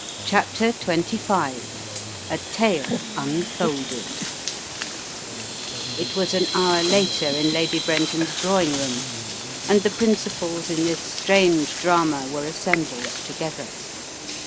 CHAPTER XXV "a tale unfolded" IT WAS an hour later in Lady Brenton's draw ing room, and the principals in this strange drama were assembled together.